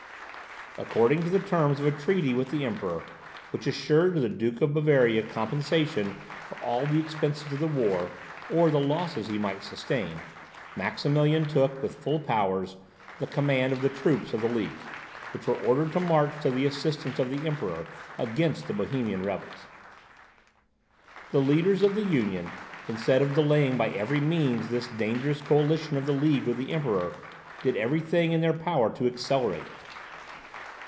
According to the terms of a treaty with the Emperor, which assured to the Duke of Bavaria compensation for all the expenses of the war, or the losses he might sustain, Maximilian took, with full powers, the command of the troops of the League, which were ordered to march to the assistance of the Emperor against the Bohemian rebels. The leaders of the Union, instead of delaying by every means this dangerous coalition of the League with the Emperor, did every thing in their power to accelerate it.